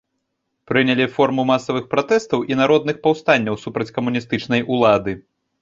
Прынялі форму масавых пратэстаў і народных паўстанняў супраць камуністычнай улады.